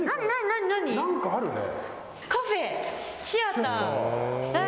何かあるね。